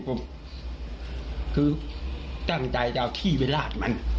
ขี้แล้วมาจากไหนครับ